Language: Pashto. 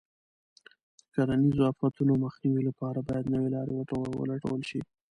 د کرنیزو آفتونو مخنیوي لپاره باید نوې لارې ولټول شي.